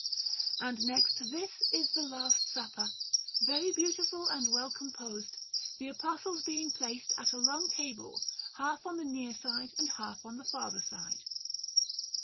And next to this is the Last Supper, very beautiful and well composed, the Apostles being placed at a long table, half on the near side and half on the farther side.